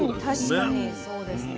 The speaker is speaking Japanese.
確かにそうですね。